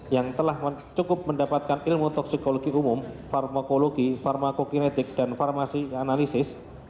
yang telah cukup mendapatkan ilmu toksikologi umum farmakologi farmakokinetik dan farmasi analisis